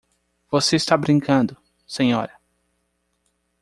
Você está brincando, senhora!